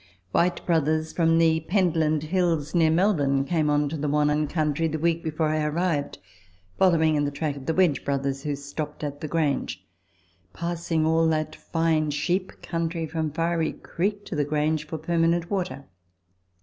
Whyte Brothers, from the Pentland Hills, near Melbourne, came on to the VVannon country the week before I arrived, follow ing iu the track of Wedge Brothers, who stopped at the Grange, passing all that fine sheep country from Fiery Creek to the Grange, for permanent water.